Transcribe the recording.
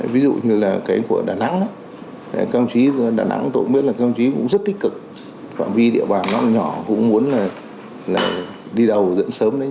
ví dụ như là cái của đà nẵng đà nẵng cũng rất tích cực khoảng vi địa bàn nó nhỏ cũng muốn là đi đầu dẫn sớm đấy